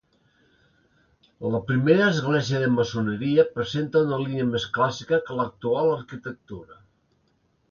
La primera església de maçoneria presenta una línia més clàssica que l'actual arquitectura.